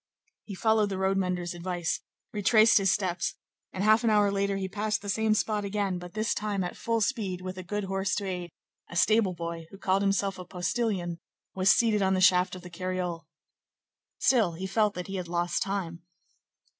He followed the road mender's advice, retraced his steps, and, half an hour later, he passed the same spot again, but this time at full speed, with a good horse to aid; a stable boy, who called himself a postilion, was seated on the shaft of the cariole. Still, he felt that he had lost time.